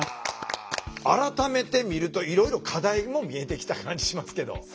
改めて見るといろいろ課題も見えてきた感じしますけど。